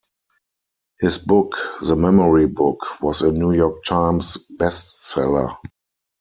His book "The Memory Book" was a "New York Times" bestseller.